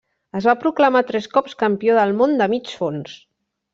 Es va proclamar tres cops Campió del món de mig fons.